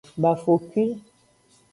Bafokwi.